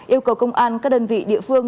yêu cầu công an các đơn vị địa phương